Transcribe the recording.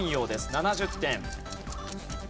７０点。